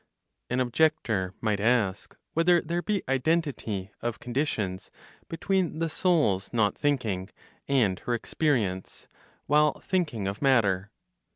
(An objector might ask) whether there be identity of conditions between the soul's not thinking, and her experience while thinking of matter?